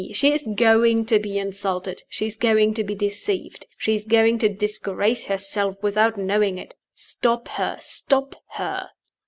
she is going to be insulted; she is going to be deceived; she is going to disgrace herself without knowing it. Stop her! stop her!"